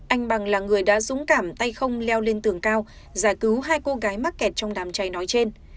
anh bằng là người đã dũng cảm tay không leo lên tường cao giải cứu hai cô gái mắc kẹt trong đám cháy nói trên